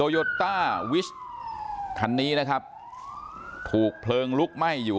โยต้าวิชคันนี้นะครับถูกเพลิงลุกไหม้อยู่